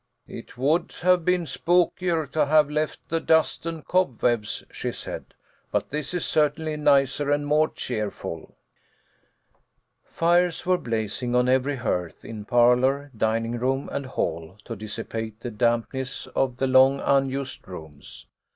It would have been spookier to have left the dust and cobwebs," she said, "but this is certainly nicer and more cheerful." Fires were blazing on every hearth, in parlour, dining room, and hall, to dissipate the dampness of the long unused rooms.